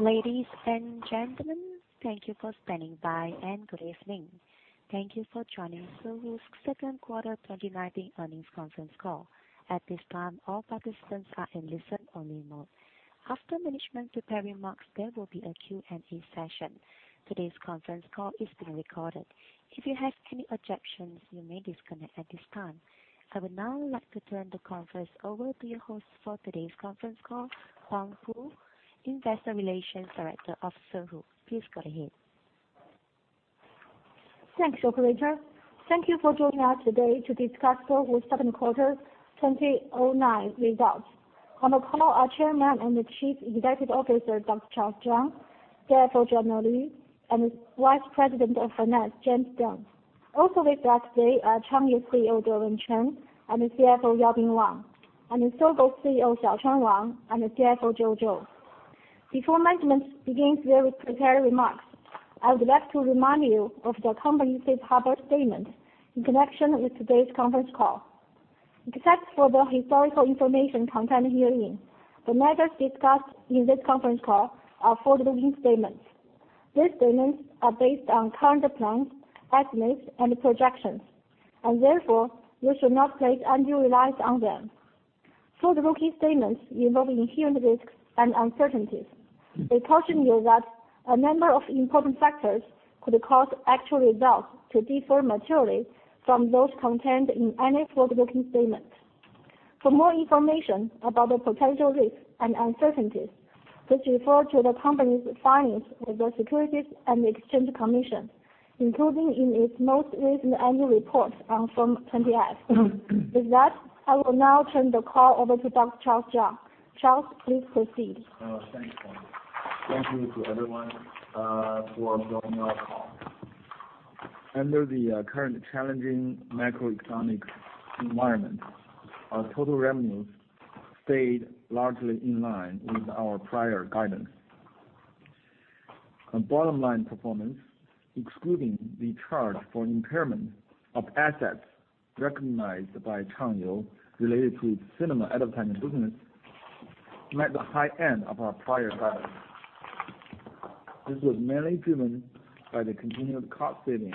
Ladies and gentlemen, thank you for standing by, and good evening. Thank you for joining Sohu's second quarter 2019 earnings conference call. At this time, all participants are in listen-only mode. After management prepared remarks, there will be a Q&A session. Today's conference call is being recorded. If you have any objections, you may disconnect at this time. I would now like to turn the conference over to your host for today's conference call, Pu Huang, Investor Relations Director of Sohu. Please go ahead. Thanks, operator. Thank you for joining us today to discuss Sohu's second quarter 2019 results. On the call are Chairman and Chief Executive Officer, Charles Zhang, CFO Joanna Lv, and Vice President of Finance, James Deng. Also with us today are Changyou CEO, Dewen Chen, and CFO Yaobin Wang, and Sohu CEO, Charles Zhang, and CFO Joanna Lv. Before management begins their prepared remarks, I would like to remind you of the company's safe harbor statement in connection with today's conference call. Except for the historical information contained herein, the matters discussed in this conference call are forward-looking statements. These statements are based on current plans, estimates, and projections, and therefore you should not place undue reliance on them. Forward-looking statements involve inherent risks and uncertainties. We caution you that a number of important factors could cause actual results to differ materially from those contained in any forward-looking statement. For more information about the potential risks and uncertainties, please refer to the company's filings with the Securities and Exchange Commission, including in its most recent annual report on Form 20-F. With that, I will now turn the call over to Dr. Charles Zhang. Charles, please proceed. Thanks, Huang. Thank you to everyone for joining our call. Under the current challenging macroeconomic environment, our total revenues stayed largely in line with our prior guidance. Our bottom line performance, excluding the charge for impairment of assets recognized by Changyou related to its cinema advertising business, met the high end of our prior guidance. This was mainly driven by the continued cost savings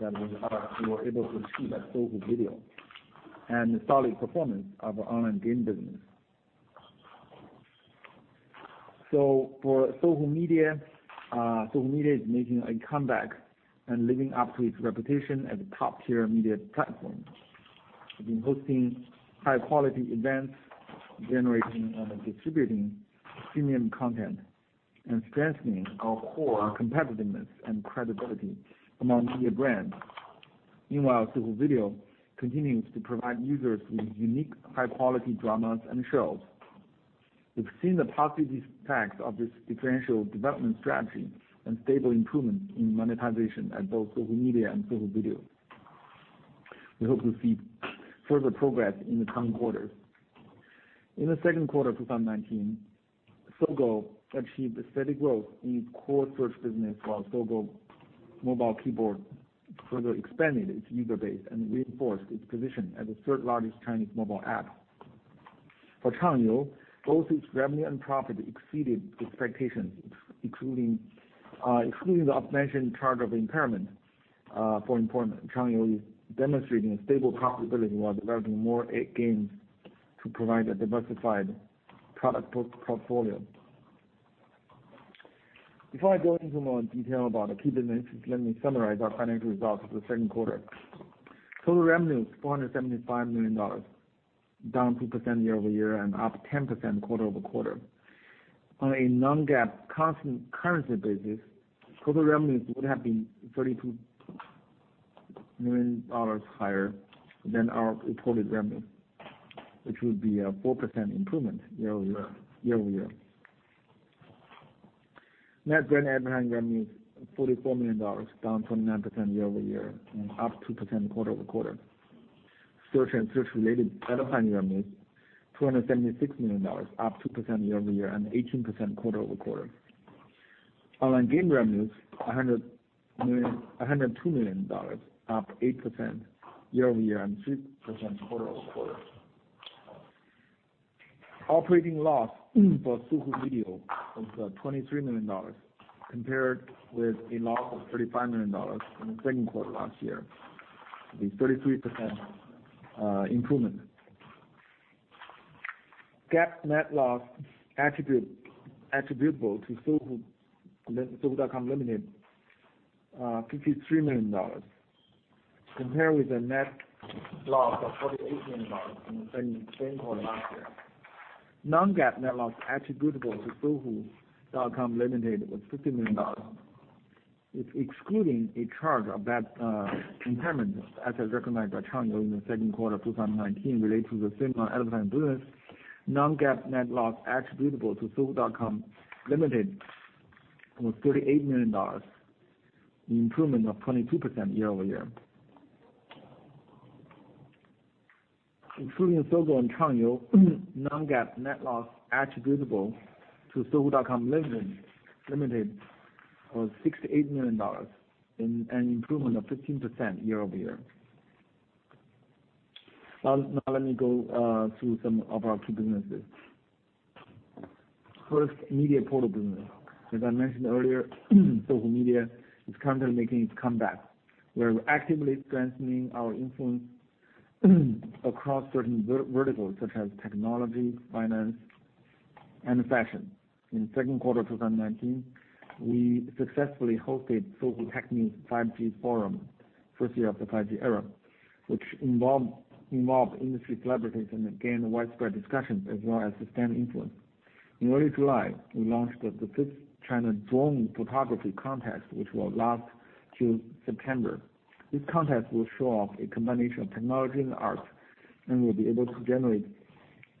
that we were able to achieve at Sohu Video, and the solid performance of our online game business. For Sohu Media, Sohu Media is making a comeback and living up to its reputation as a top-tier media platform. We've been hosting high-quality events, generating and distributing premium content, and strengthening our core competitiveness and credibility among media brands. Meanwhile, Sohu Video continues to provide users with unique high-quality dramas and shows. We've seen the positive effects of this differential development strategy and stable improvement in monetization at both Sohu Media and Sohu Video. We hope to see further progress in the coming quarters. In the second quarter of 2019, Sohu achieved steady growth in its core search business while Sogou Mobile Keyboard further expanded its user base and reinforced its position as the third largest Chinese mobile app. For Changyou, both its revenue and profit exceeded expectations, excluding the aforementioned charge of impairment. Changyou is demonstrating a stable profitability while developing more eight games to provide a diversified product portfolio. Before I go into more detail about the key businesses, let me summarize our financial results for the second quarter. Total revenues, $475 million, down 2% year-over-year and up 10% quarter-over-quarter. On a non-GAAP constant currency basis, total revenues would have been $32 million higher than our reported revenue, which would be a 4% improvement year-over-year. Net brand advertising revenue was $44 million, down 29% year-over-year, and up 2% quarter-over-quarter. Search and search-related advertising revenues, $276 million, up 2% year-over-year and 18% quarter-over-quarter. Online game revenues, $102 million, up 8% year-over-year and 6% quarter-over-quarter. Operating loss for Sohu Video was $23 million, compared with a loss of $35 million in the second quarter last year, a 33% improvement. GAAP net loss attributable to Sohu.com Limited, $53 million, compared with a net loss of $48 million in the same quarter last year. Non-GAAP net loss attributable to Sohu.com Limited was $50 million. If excluding a charge of that impairment asset recognized by Changyou in the second quarter of 2019 related to the cinema advertising business, non-GAAP net loss attributable to Sohu.com Limited was $38 million, an improvement of 22% year-over-year. Including Sohu and Changyou, non-GAAP net loss attributable to Sohu.com Limited was $68 million, an improvement of 15% year-over-year. Let me go through some of our key businesses. First, media portal business. As I mentioned earlier, Sohu Media is currently making its comeback. We are actively strengthening our influence across certain verticals such as technology, finance, and fashion. In the second quarter of 2019, we successfully hosted Sohu Tech's 5G Forum: First Year of the 5G Era, which involved industry collaborators and gained widespread discussions as well as sustained influence. In early July, we launched the fifth China drone photography contest, which will last till September. This contest will show off a combination of technology and art, and we'll be able to generate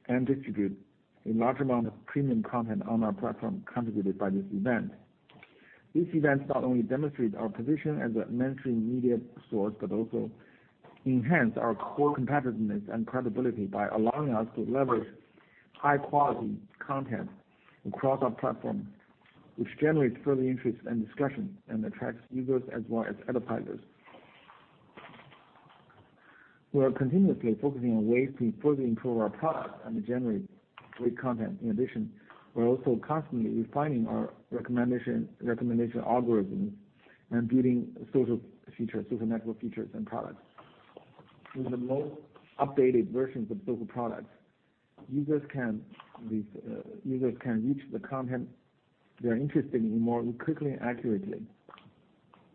and distribute a large amount of premium content on our platform contributed by this event. This event not only demonstrates our position as a mainstream media source, but also enhance our core competitiveness and credibility by allowing us to leverage high-quality content across our platform, which generates further interest and discussion and attracts users as well as advertisers. We are continuously focusing on ways to further improve our product and generate great content. In addition, we're also constantly refining our recommendation algorithms and building social network features and products. In the most updated versions of social products, users can reach the content they're interested in more quickly and accurately.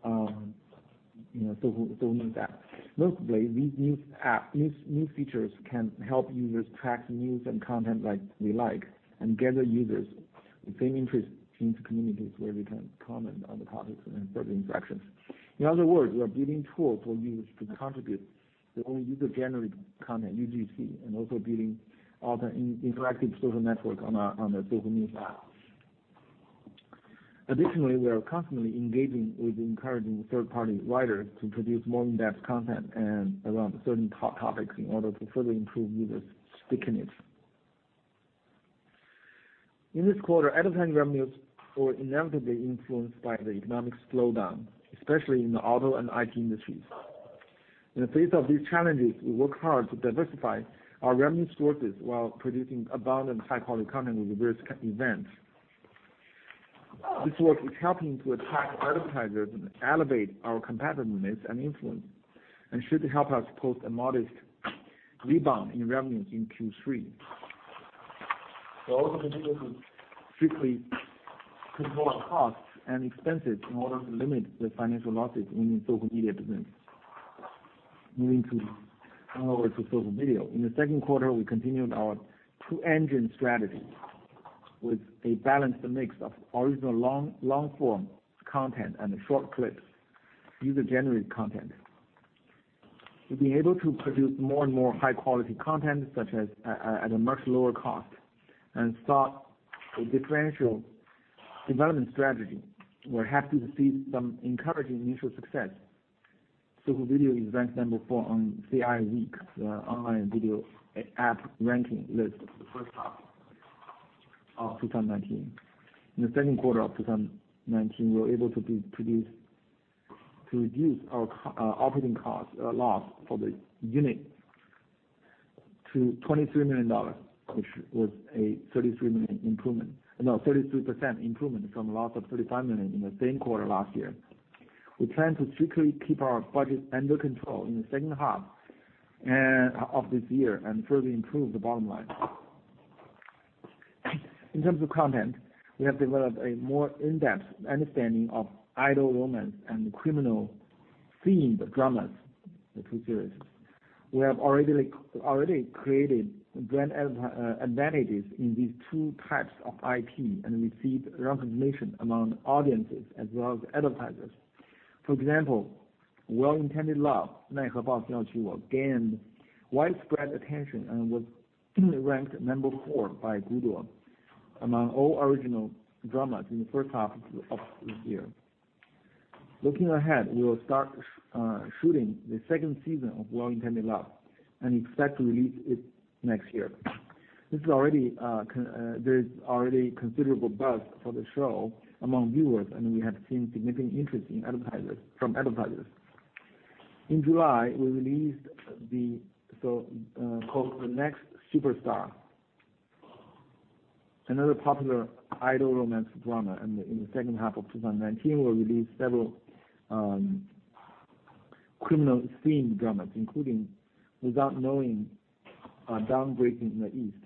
Sohu News app. Notably, these new features can help users track news and content they like and gather users with same interests into communities where we can comment on the topics and further interactions. In other words, we are building tools for users to contribute their own user-generated content, UGC, and also building interactive social network on the Sohu News app. Additionally, we are constantly engaging with encouraging third-party writers to produce more in-depth content around certain topics in order to further improve users stickiness. In this quarter, advertising revenues were inevitably influenced by the economic slowdown, especially in the auto and IT industries. In the face of these challenges, we work hard to diversify our revenue sources while producing abundant high-quality content with various events. This work is helping to attract advertisers and elevate our competitiveness and influence and should help us post a modest rebound in revenue in Q3. We are also committed to strictly control our costs and expenses in order to limit the financial losses in the Sohu Media business. Moving over to Sohu Video. In the second quarter, we continued our two-engine strategy with a balanced mix of original long-form content and short clips user-generated content. We've been able to produce more and more high-quality content at a much lower cost and start a differential development strategy. We're happy to see some encouraging initial success. Sohu Video ranked number four on CI Week's online video app ranking list for the first half of 2019. In the second quarter of 2019, we were able to reduce our operating cost loss for the unit to $23 million, which was a 33% improvement from a loss of $35 million in the same quarter last year. We plan to strictly keep our budget under control in the second half of this year and further improve the bottom line. In terms of content, we have developed a more in-depth understanding of idol women and criminal-themed dramas, the two series. We have already created brand advantages in these two types of IP and received recognition among audiences as well as advertisers. For example, Well-Intended Love, Nai He Boss Yao Qu Wo, gained widespread attention and was ranked number four by Guduo among all original dramas in the first half of this year. Looking ahead, we will start shooting the second season of Well-Intended Love and expect to release it next year. There is already considerable buzz for the show among viewers, and we have seen significant interest from advertisers. In July, we released The Next Superstar, another popular idol romance drama, and in the second half of 2019, we'll release several criminal-themed dramas, including Without Knowing, Dawn Breaking in the East.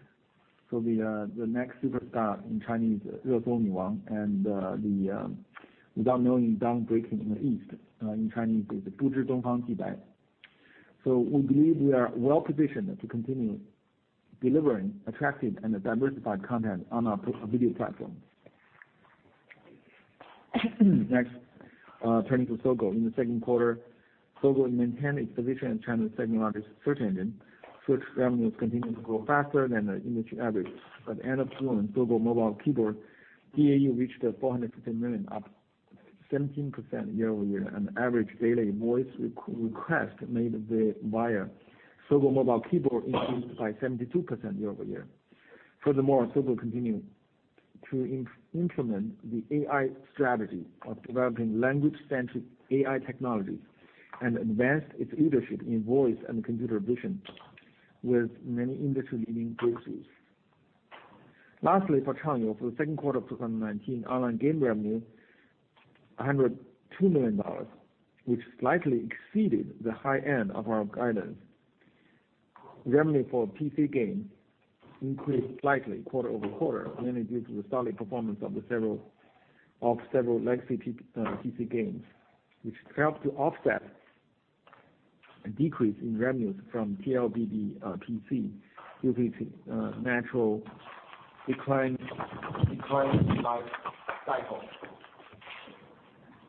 The Next Superstar in Chinese, Re Sou Nu Wang, and Without Knowing, Dawn Breaking in the East in Chinese is the Bu Zhi Dong Fang Ji Bai. We believe we are well-positioned to continue delivering attractive and diversified content on our video platform. Next, turning to Sohu. In the second quarter, Sohu maintained its position as China's second-largest search engine. Search revenues continued to grow faster than the industry average. As of June, Sogou Mobile Keyboard DAU reached 415 million, up 17% year-over-year, and average daily voice requests made via Sogou Mobile Keyboard increased by 72% year-over-year. Furthermore, Sohu continued to implement the AI strategy of developing language-centric AI technologies and advance its leadership in voice and computer vision with many industry-leading breakthroughs. Lastly, for Changyou, for the second quarter of 2019, online game revenue $102 million, which slightly exceeded the high end of our guidance. Revenue for PC games increased slightly quarter-over-quarter, mainly due to the solid performance of several legacy PC games, which helped to offset a decrease in revenues from TLBB PC due to its natural decline in life cycle.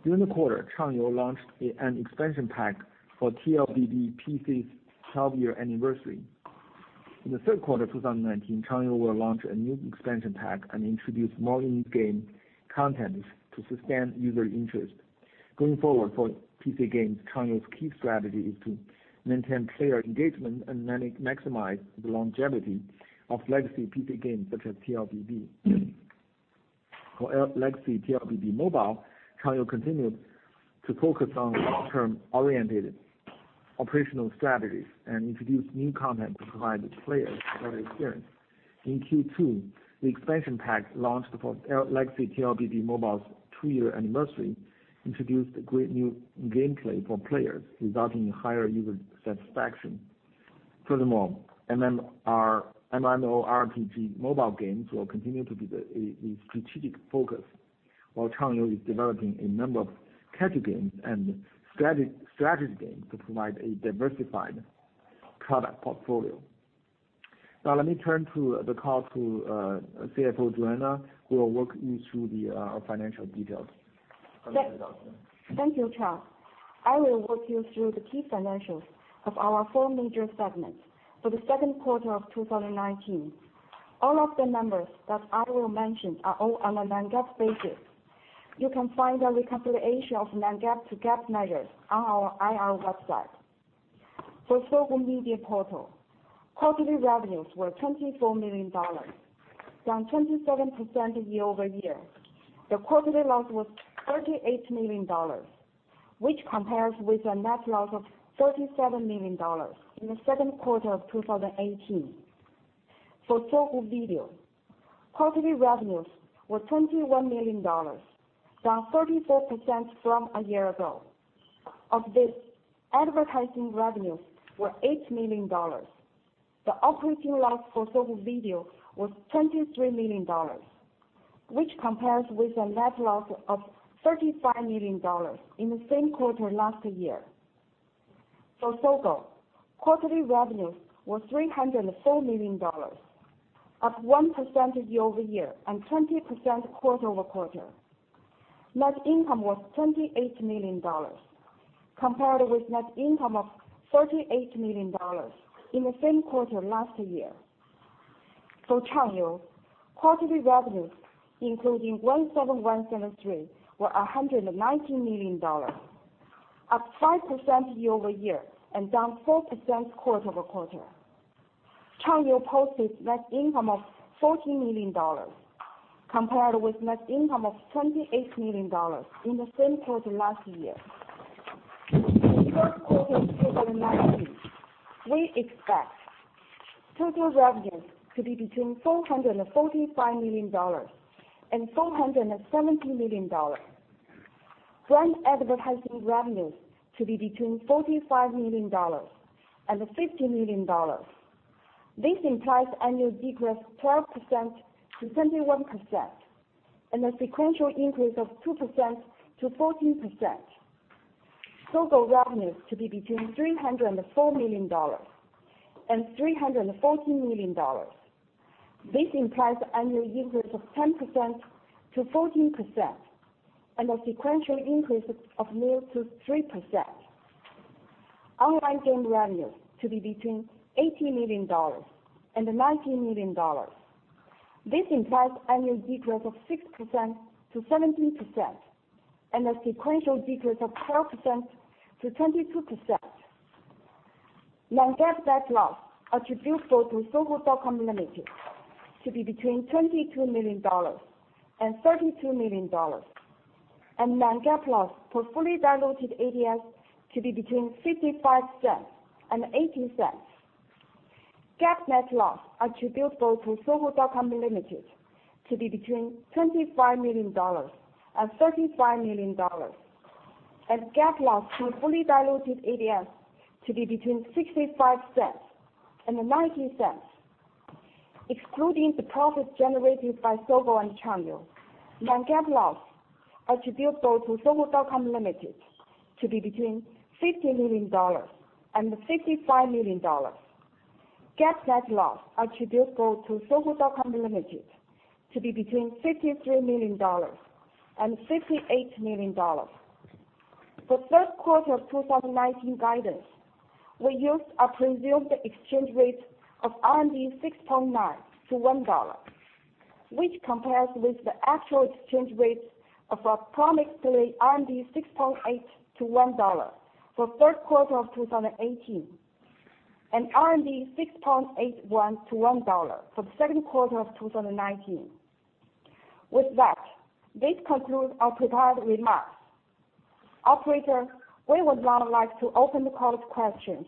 During the quarter, Changyou launched an expansion pack for TLBB PC's 12-year anniversary. In the third quarter of 2019, Changyou will launch a new expansion pack and introduce more new game content to sustain user interest. Going forward for PC games, Changyou's key strategy is to maintain player engagement and maximize the longevity of legacy PC games such as TLBB. For Legacy TLBB Mobile, Changyou continued to focus on long-term oriented operational strategies and introduce new content to provide its players a better experience. In Q2, the expansion pack launched for Legacy TLBB Mobile's two-year anniversary introduced great new gameplay for players, resulting in higher user satisfaction. Furthermore, MMORPG mobile games will continue to be a strategic focus, while Changyou is developing a number of casual games and strategy games to provide a diversified product portfolio. Now let me turn the call to CFO Joanna, who will walk you through the financial details. Joanna, go ahead. Thank you, Charles. I will walk you through the key financials of our four major segments for the second quarter of 2019. All of the numbers that I will mention are on a non-GAAP basis. You can find a reconciliation of non-GAAP to GAAP measures on our IR website. For Sohu Media Portal, quarterly revenues were $24 million, down 27% year-over-year. The quarterly loss was $38 million, which compares with a net loss of $37 million in the second quarter of 2018. For Sohu Video, quarterly revenues were $21 million, down 34% from a year ago. Of this, advertising revenues were $8 million. The operating loss for Sohu Video was $23 million, which compares with a net loss of $35 million in the same quarter last year. For Sogou, quarterly revenues were $304 million, up 1% year-over-year and 20% quarter-over-quarter. Net income was $28 million, compared with net income of $38 million in the same quarter last year. For Changyou, quarterly revenues, including 17173.com, were $119 million, up 5% year-over-year and down 4% quarter-over-quarter. Changyou posted net income of $14 million, compared with net income of $28 million in the same quarter last year. For the third quarter of 2019, we expect total revenues to be between $445 million and $470 million. Brand advertising revenues to be between $45 million and $50 million. This implies annual decrease 12%-21%, and a sequential increase of 2%-14%. Sohu revenues to be between $304 million and $314 million. This implies annual increase of 10%-14% and a sequential increase of 0%-3%. Online game revenues to be between $80 million and $90 million. This implies annual decrease of 6%-17% and a sequential decrease of 12%-22%. Non-GAAP net loss attributable to Sohu.com Limited to be between $22 million and $32 million, and non-GAAP loss per fully diluted ADS to be between $0.55 and $0.80. GAAP net loss attributable to Sohu.com Limited to be between $25 million and $35 million, and GAAP loss per fully diluted ADS to be between $0.65 and $0.90. Excluding the profits generated by Sohu and Changyou, non-GAAP loss attributable to Sohu.com Limited to be between $50 million and $55 million. GAAP net loss attributable to Sohu.com Limited to be between $53 million and $58 million. For third quarter of 2019 guidance, we used a presumed exchange rate of RMB 6.9 to $1, which compares with the actual exchange rates of approximately RMB 6.8 to $1 for third quarter of 2018. RMB 6.81 to $1 for the second quarter of 2019. With that, this concludes our prepared remarks. Operator, we would now like to open the call to questions.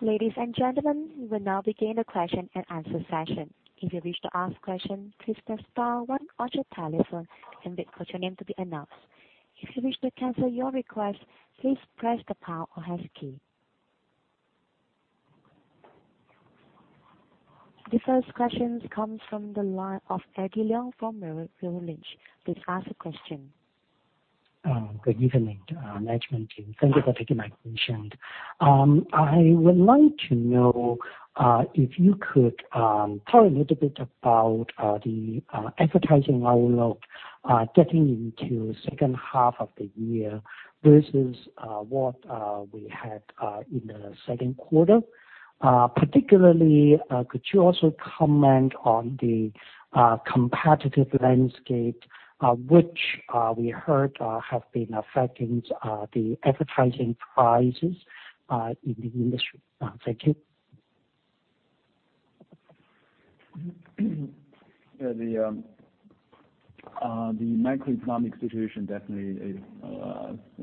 Ladies and gentlemen, we will now begin the question and answer session. If you wish to ask a question, please press star one on your telephone and wait for your name to be announced. If you wish to cancel your request, please press the pound or hash key. The first question comes from the line of Eddie Leung from Merrill Lynch. Please ask the question. Good evening, management team. Thank you for taking my question. I would like to know if you could talk a little bit about the advertising outlook getting into second half of the year versus what we had in the second quarter. Particularly, could you also comment on the competitive landscape, which we heard have been affecting the advertising prices in the industry? Thank you. The macroeconomic situation definitely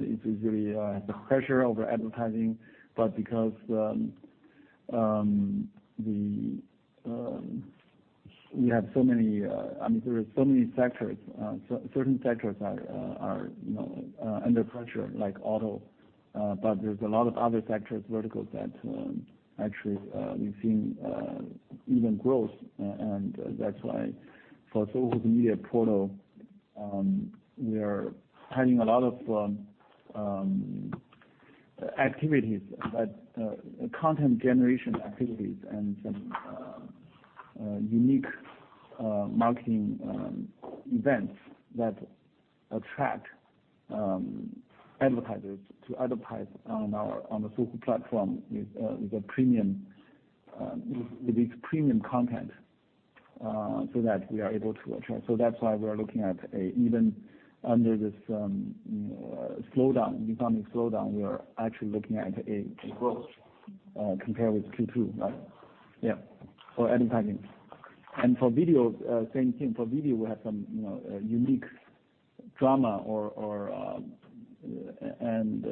is really the pressure over advertising, but because we have so many sectors. Certain sectors are under pressure, like auto, but there's a lot of other sectors, verticals that actually we've seen even growth. That's why for Sohu's media portal, we are planning a lot of activities, content generation activities, and some unique marketing events that attract advertisers to advertise on the Sohu platform with these premium content, so that we are able to attract. That's why, even under this economic slowdown, we are actually looking at a growth compared with Q2. Right? Yeah. For advertising. For video, same thing. For video, we have some unique drama and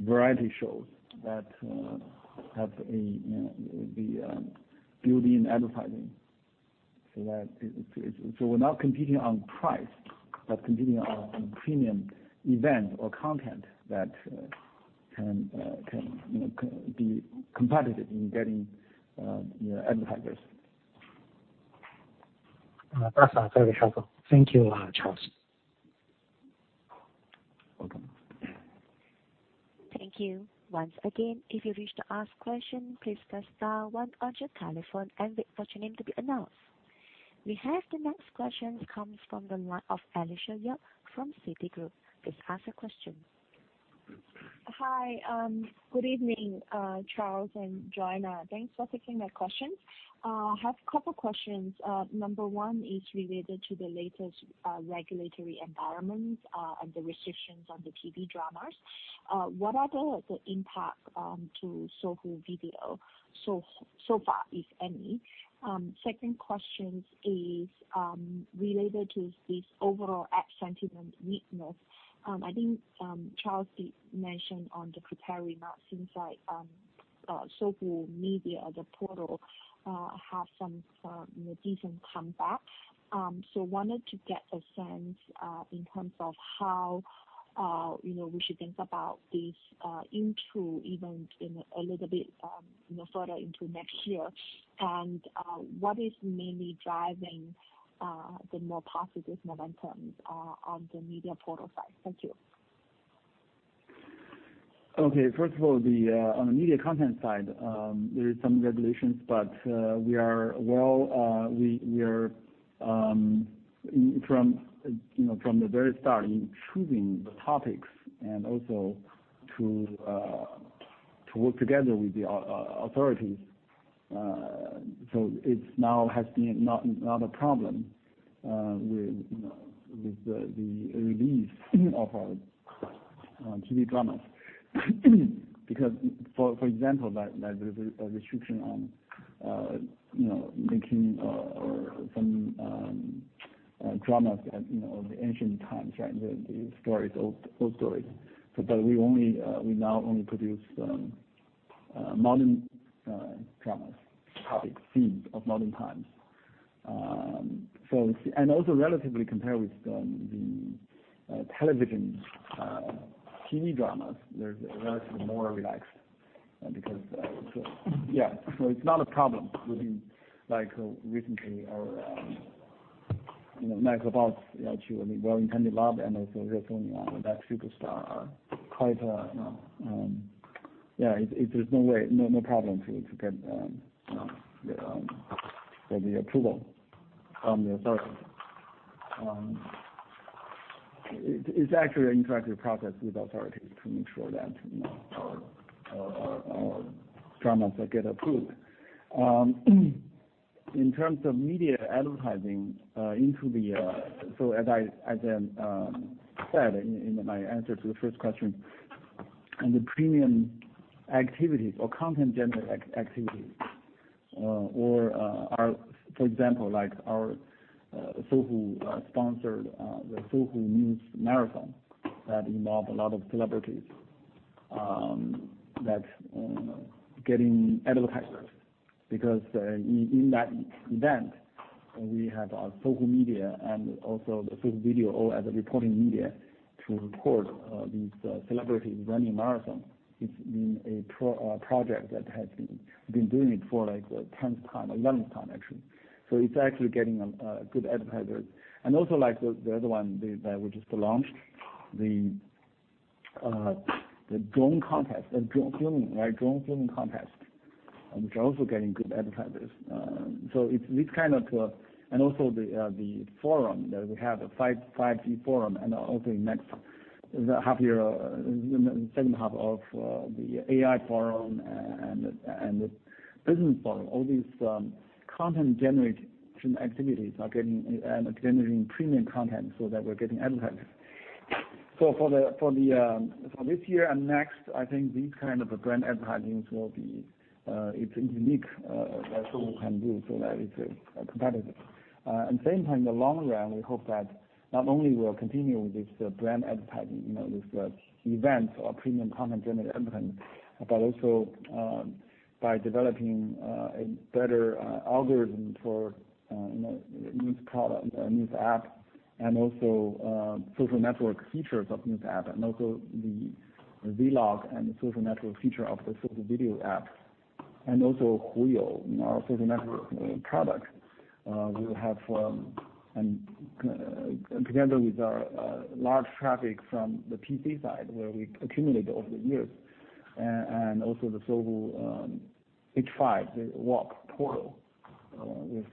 variety shows that have the built-in advertising. We're not competing on price, but competing on premium event or content that can be competitive in getting advertisers. That's very helpful. Thank you, Charles. Welcome. Thank you. Once again, if you wish to ask question, please press star one on your telephone and wait for your name to be announced. We have the next question comes from the line of Alicia Yap from Citigroup. Please ask the question. Hi. Good evening, Charles and Joanna. Thanks for taking my questions. I have a couple questions. Number one is related to the latest regulatory environment, and the restrictions on the TV dramas. What are the impact to Sohu Video so far, if any? Second question is related to this overall app sentiment weakness. I think Charles did mention on the prepared remarks, seems like Sohu Media, the portal, have some decent comeback. Wanted to get a sense in terms of how we should think about this into even a little bit further into next year, and what is mainly driving the more positive momentum on the media portal side. Thank you. First of all, on the media content side, there is some regulations, from the very start in choosing the topics and also to work together with the authorities. It now has been not a problem with the release of our TV dramas. For example, like the restriction on making some dramas of the ancient times, the old stories. We now only produce modern dramas, topic, themes of modern times. Also relatively compare with the television TV dramas, they're relatively more relaxed. It's not a problem recently our Knights of X, actually, Well-Intended Love and also Rebirth For You with The Next Superstar, there's no problem to get the approval from the authorities. It's actually an interactive process with authorities to make sure that dramas get approved. In terms of media advertising, as I said in my answer to the first question, in the premium activities or content-generated activities, for example, like our Sohu-sponsored Sohu News Marathon that involved a lot of celebrities. That's getting advertisers, because in that event, we have our Sohu Media and also the Sohu Video as a reporting media to report these celebrities running marathon. It's been a project that we've been doing it for the 10th time, 11th time actually. It's actually getting good advertisers. The other one that we just launched, the drone filming contest, which are also getting good advertisers. The forum, we have a 5G forum and also in the second half of the AI forum and the business forum. All these content-generation activities are generating premium content so that we're getting advertisers. For this year and next, I think these kind of brand advertising will be unique, that Sohu can do, so that it's competitive. At the same time, in the long run, we hope that not only we'll continue with this brand advertising, with events or premium content-generated advertising, but also by developing a better algorithm for news app and also social network features of news app, and also the vlog and the social network feature of the social video app. Also Huyou, our social network product. Together with our large traffic from the PC side, where we accumulate over the years, and also the Sohu H5, the WAP portal,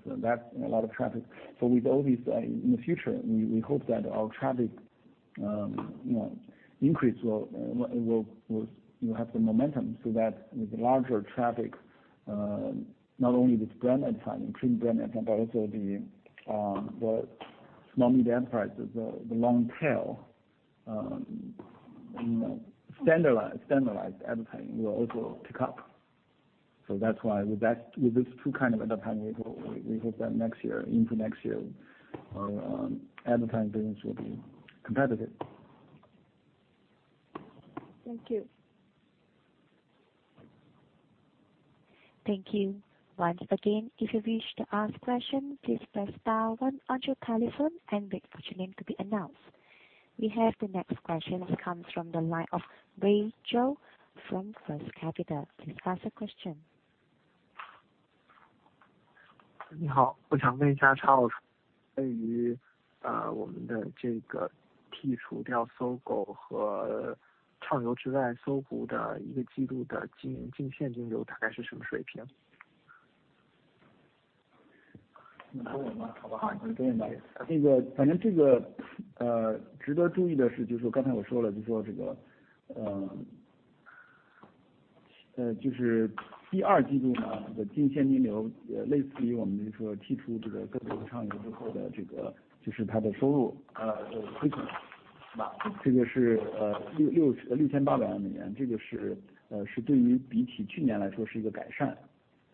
that's a lot of traffic. With all these, in the future, we hope that our traffic increase will have the momentum, so that with larger traffic, not only with brand advertising, premium brand advertising, but also the small media enterprises, the long tail standardized advertising will also pick up. That's why with these two kind of advertising, we hope that into next year, our advertising business will be competitive. Thank you. Thank you. Once again, if you wish to ask questions, please press star one on your telephone and wait for your name to be announced. We have the next question. It comes from the line of Ray Zhou from First Capital. Please ask a question. 我想问一下Charles，对于我们剔除掉搜狗和畅游之外，搜狐一个季度的净现金流大概是什么水平？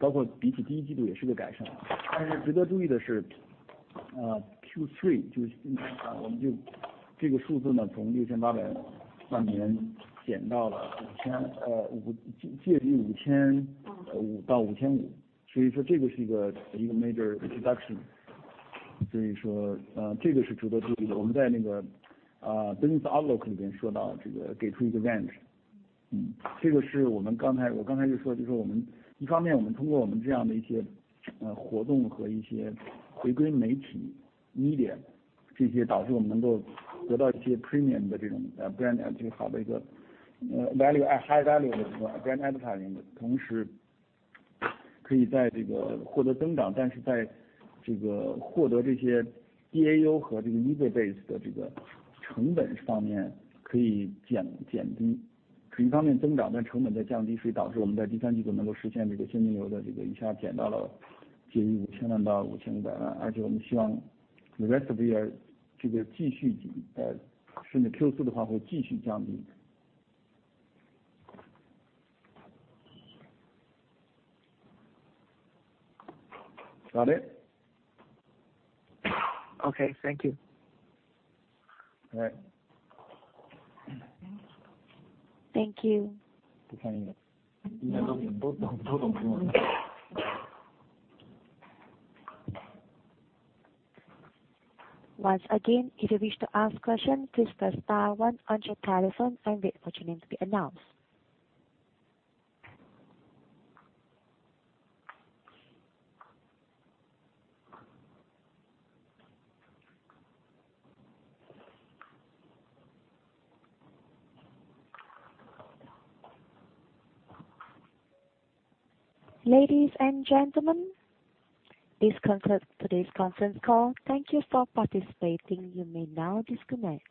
reduction。所以说这个是值得注意的。我们在business outlook里面给出一个range。我刚才就说，一方面我们通过我们这样的一些活动和一些回归媒体，media，导致我们能够得到一些premium的这种brand，一个high value的品牌advertising。同时可以获得增长，但是在获得这些DAU和user base的成本方面可以减低。一方面增长，但成本在降低，所以导致我们在第三季度能够实现这个现金流的一下减到了接近$5,000万到$5,500万。而且我们希望the rest of the year甚至Q4的话会继续降低。Got it? Okay. Thank you. All right. Thank you. Once again, if you wish to ask a question, please press star one on your telephone and wait for your name to be announced. Ladies and gentlemen, this concludes today's conference call. Thank you for participating. You may now disconnect.